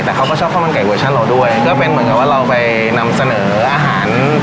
แต่เขาก็ชอบข้าวมันไก่เวอร์ชั่นเราด้วยก็เป็นเหมือนกับว่าเราไปนำเสนออาหาร